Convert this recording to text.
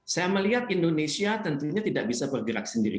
saya melihat indonesia tentunya tidak bisa bergerak sendiri